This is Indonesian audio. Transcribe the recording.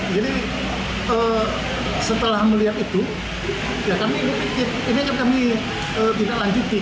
jadi setelah melihat itu kami tidak lanjutkan